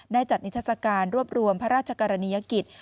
จัดนิทัศกาลรวบรวมพระราชกรณียกิจ